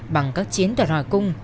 bằng các chiến tuyệt hòa cung